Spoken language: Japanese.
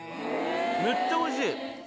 めっちゃおいしい！